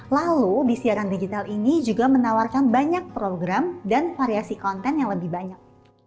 lalu di siaran digital ini juga menawarkan banyak program dan variasi konten yang lebih banyak